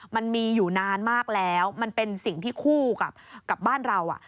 มันมีอยู่นานมากแล้วมันเป็นสิ่งที่คู่กับบ้านเรา